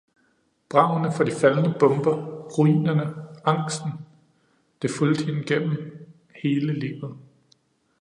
Bragene fra de faldende bomber, ruinerne, angsten. Det fulgte hende gennem hele livet.